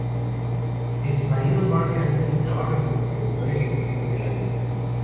Su ex marido Marc Anthony trabaja como productor ejecutivo en el álbum.